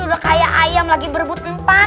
udah kayak ayam lagi berebut empat